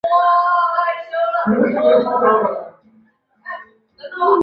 毗邻的多明我会圣伯多禄堂最近已经拆除。